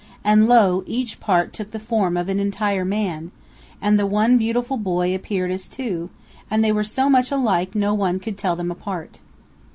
And lo! each part took the form of an entire man, and the one beautiful boy appeared as two, and they were so much alike no one could tell them apart.